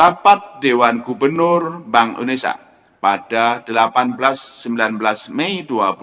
rapat dewan gubernur bank indonesia pada delapan belas sembilan belas mei dua ribu dua puluh